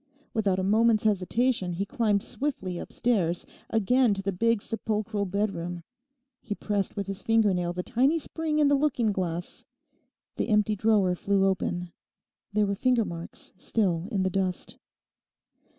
Without a moment's hesitation he climbed swiftly upstairs again to the big sepulchral bedroom. He pressed with his fingernail the tiny spring in the looking glass. The empty drawer flew open. There were finger marks still in the dust.